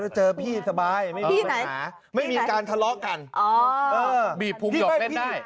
จะเจอพี่สบายพี่ไหนไม่มีการทะเลาะกันอ๋อเออบีบพุงหยอกเล่นได้